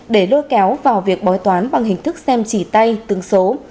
để đôi kéo vào việc bói toán bằng hình thức xem chỉ tay tương số